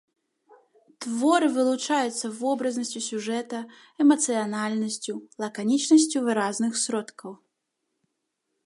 Творы вылучаюцца вобразнасцю сюжэта, эмацыянальнасцю, лаканічнасцю выразных сродкаў.